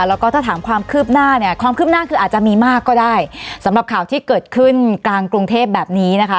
แล้วก็ถ้าถามความคืบหน้าเนี่ยความคืบหน้าคืออาจจะมีมากก็ได้สำหรับข่าวที่เกิดขึ้นกลางกรุงเทพแบบนี้นะคะ